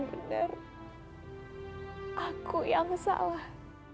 benar aku yang salah